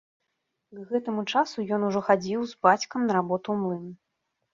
К гэтаму часу ён ужо хадзіў з бацькам на работу ў млын.